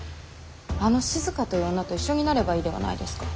あの静という女と一緒になればいいではないですか。